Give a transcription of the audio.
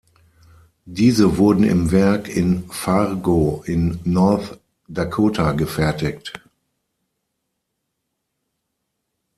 Diese wurden im Werk in Fargo in North Dakota gefertigt.